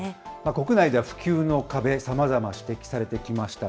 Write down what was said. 国内では普及の壁、さまざま指摘されてきました。